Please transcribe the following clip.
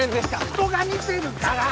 人が見てるから！